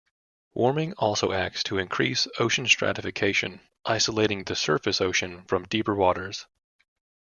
Warming also acts to increase ocean stratification, isolating the surface ocean from deeper waters.